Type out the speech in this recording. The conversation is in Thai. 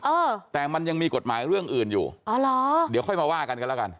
เออแต่มันยังมีกฎหมายเรื่องอื่นอยู่อ๋อเหรอเดี๋ยวค่อยมาว่ากันกันแล้วกัน